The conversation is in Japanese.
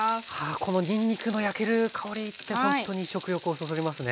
このにんにくの焼ける香りってほんとに食欲をそそりますね。